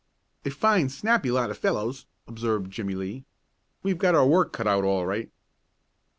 "A fine, snappy lot of fellows," observed Jimmie Lee. "We've got our work cut out all right."